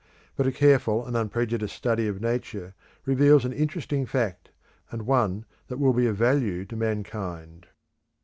But a careful and unprejudiced study of Nature reveals an interesting fact and one that will be of value to mankind.